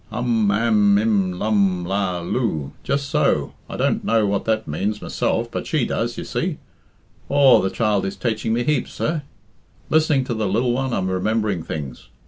"Um am im lum la loo? Just so! I don't know what that means myself, but she does, you see. Aw, the child is taiching me heaps, sir. Listening to the lil one I'm remembering things.